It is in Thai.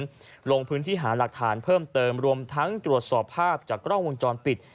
ลงพื้นที่หาหลักฐานเพิ่มเติมรวมทั้งตรวจสอบภาพจากกล้องวงจรปิด